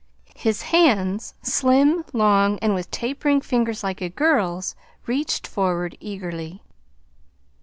His hands, slim, long, and with tapering fingers like a girl's, reached forward eagerly.